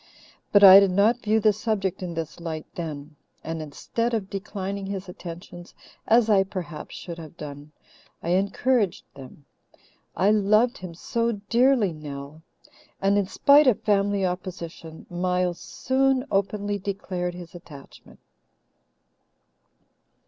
But I did not view the subject in this light then; and instead of declining his attentions, as I perhaps should have done, I encouraged them I loved him so dearly, Nell! and in spite of family opposition, Miles soon openly declared his attachment.